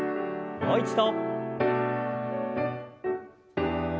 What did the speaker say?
もう一度。